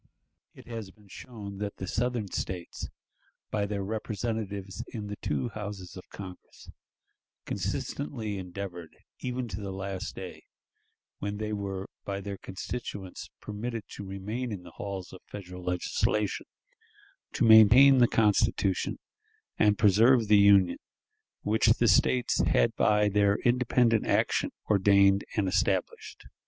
It has been shown that the Southern States, by their representatives in the two Houses of Congress, consistently endeavored even to the last day, when they were by their constituents permitted to remain in the halls of Federal legislation, to maintain the Constitution, and preserve the Union which the States had by their independent action ordained and established.